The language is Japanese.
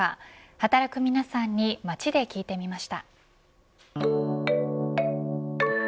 働く皆さんに街で聞いてみました。